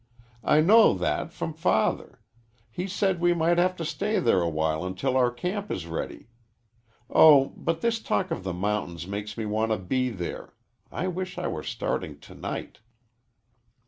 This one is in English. I know that from Father. He said we might have to stay there awhile until our camp is ready. Oh, but this talk of the mountains makes me want to be there. I wish I were starting to night!"